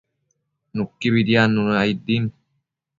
Nuquibi diadnuna aid din